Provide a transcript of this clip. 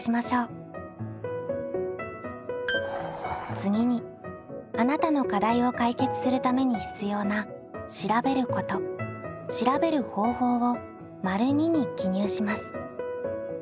次にあなたの課題を解決するために必要な「調べること」「調べる方法」を②に記入します。